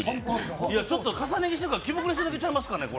ちょっと重ね着してるからふくれているだけちゃいますかね。